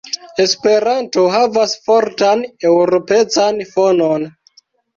Esperanto havas fortan eŭropecan fonon.